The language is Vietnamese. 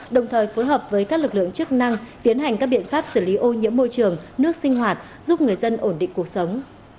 đồng thời phối hợp với các lực lượng chức năng tiến hành các biện pháp xử lý ô nhiễm môi trường nước sinh hoạt giúp người dân ổn định cuộc sống